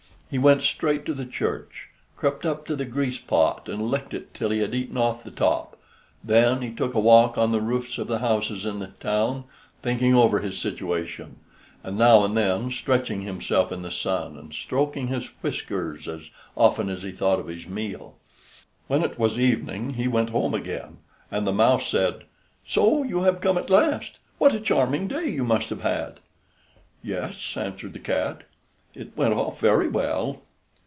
He went straight to the church, crept up to the grease pot, and licked it till he had eaten off the top; then he took a walk on the roofs of the houses in the town, thinking over his situation, and now and then stretching himself in the sun and stroking his whiskers as often as he thought of his meal. When it was evening he went home again, and the mouse said: "So you have come at last; what a charming day you must have had!" "Yes," answered the cat; "it went off very well!"